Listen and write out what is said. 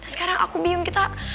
sekarang aku bium kita